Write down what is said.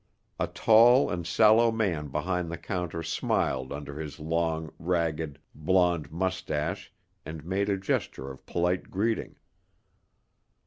A tall and sallow man behind the counter smiled under his long, ragged, blond mustache and made a gesture of polite greeting.